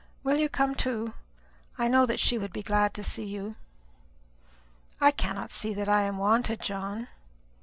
Will you come too? I know that she would be glad to see you." "I cannot see that I am wanted, John."